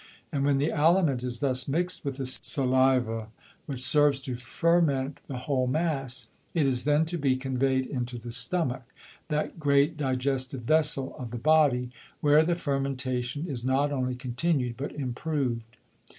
And when the Aliment is thus mix'd with the Saliva, which serves to ferment the whole Mass, it is then to be convey'd into the Stomach, that great digestive Vessel of the Body, where the Fermentation is not only continued, but improved.